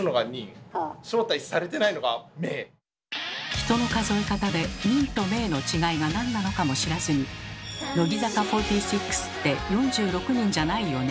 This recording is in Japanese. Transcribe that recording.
人の数え方で「人」と「名」の違いが何なのかも知らずに「乃木坂４６って４６人じゃないよね」